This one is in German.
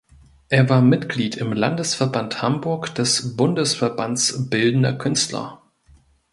Er war Mitglied im Landesverband Hamburg des Bundesverbands Bildender Künstler.